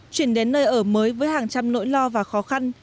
chuyển đến nơi ở mới với hàng trăm nỗi lo và khó khăn